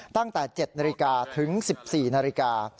ตั้งแต่๗นาฬิกาถึง๑๔นาฬิกา